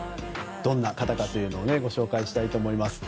どんな方かというのをご紹介したいと思います。